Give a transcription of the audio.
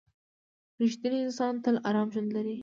• رښتینی انسان تل ارام ژوند لري.